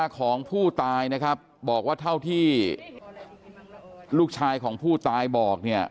ของผู้ตายนะครับบอกว่าเท่าที่ลูกชายของผู้ตายบอกเนี่ย